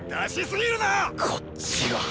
こっちは。